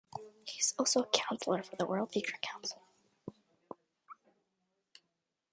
He is also a councillor for the World Future Council.